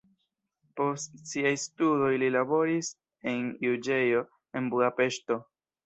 Post siaj studoj li laboris en juĝejo en Budapeŝto.